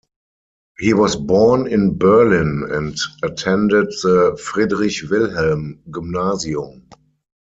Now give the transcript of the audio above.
He was born in Berlin, and attended the Friedrich-Wilhelm gymnasium.